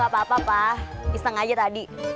apa apa pak iseng aja tadi